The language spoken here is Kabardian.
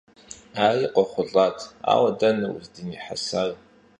Ари къохъулӀат, ауэ дэнэ уздынихьэсар?